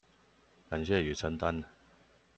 感謝與承擔